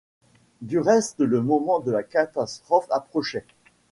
Du reste le moment de la catastrophe approchait.